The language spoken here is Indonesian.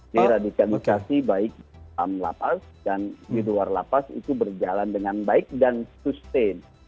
deradikalisasi baik di dalam lapas dan di luar lapas itu berjalan dengan baik dan sustain